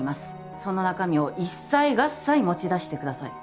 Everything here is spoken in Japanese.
その中身を一切合財持ち出してください